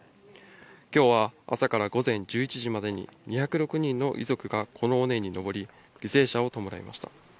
きょうは朝から午前１１時までに２０６人の遺族が、この尾根にのぼり、犠牲者を弔いました。